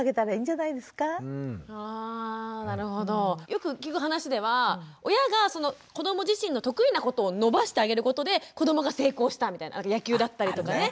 よく聞く話では親がその子ども自身の得意なことを伸ばしてあげることで子どもが成功したみたいな野球だったりとかね。